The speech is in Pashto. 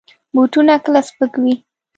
بوټونه کله سپک وي.